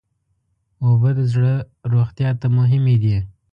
اوبه د زړه روغتیا ته مهمې دي.